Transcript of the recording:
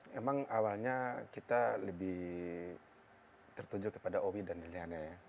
memang awalnya kita lebih tertuju kepada owi dan liliana ya